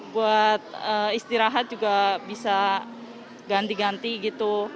buat istirahat juga bisa ganti ganti gitu